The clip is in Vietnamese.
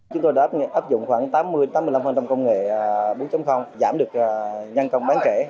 chúng tôi đã áp dụng khoảng tám mươi tám mươi năm công nghệ bốn giảm được nhân công bán trẻ